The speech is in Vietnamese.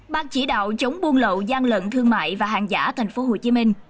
ban chỉ đạo chống buôn lậu gian lận thương mại và hàng giả thành phố hồ chí minh